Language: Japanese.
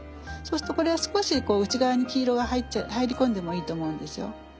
そうするとこれは少し内側に黄色が入り込んでもいいと思うんですよ。